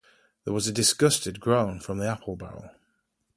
There was a disgusted groan from the apple-barrel.